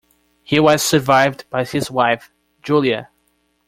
He was survived by his wife, Julia.